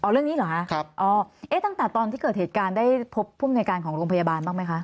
เรื่องนี้หรือคะตั้งแต่ตอนที่เกิดเหตุการณ์ได้พบผู้อำนวยการของโรงพยาบาลบ้างไหมคะ